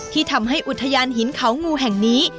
ที่ทำให้อุทยานหินเขางูแห่งนี้